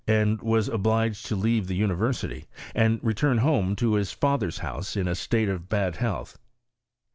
iind was obliged to leave the university and return home to his father's house in a state of bad health.